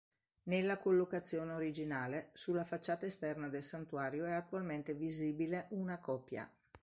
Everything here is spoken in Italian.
Nella collocazione originale, sulla facciata esterna del Santuario, è attualmente visibile una copia.